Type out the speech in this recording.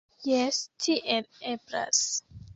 Jes, tiel eblas.